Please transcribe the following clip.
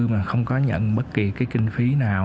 mà không có nhận bất kỳ cái kinh phí nào